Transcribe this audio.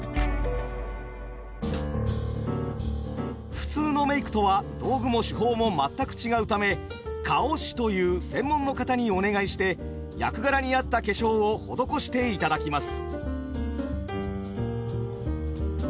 普通のメークとは道具も手法も全く違うため「顔師」という専門の方にお願いして役柄に合った化粧を施していただきます。